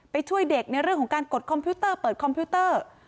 ช่วยเด็กในเรื่องของการกดคอมพิวเตอร์เปิดคอมพิวเตอร์